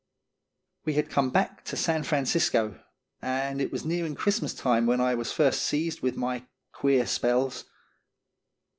We had come back to San Francisco, and it was nearing Christmas time when I was first seized with my queer spells.